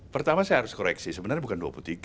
pertama saya harus koreksi sebenarnya bukan dua puluh tiga